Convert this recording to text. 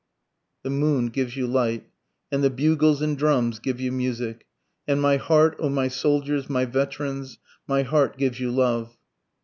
The moon gives you light, And the bugles and drums give you music, And my heart, O my soldiers, my veterans, My heart gives you love.